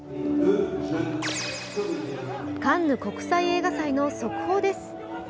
カンヌ国際映画祭の速報です。